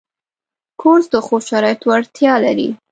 کورس د ښو شرایطو اړتیا لري.